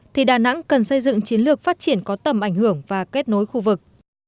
thì đà nẵng cần xây dựng chiến lược phát triển có tầm ảnh hưởng và kết nối khu vực